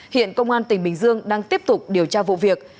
hiện công an tỉnh bình dương đang tiếp tục điều tra vụ việc